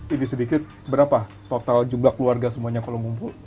ini sedikit berapa total jumlah keluarga semuanya kalau ngumpul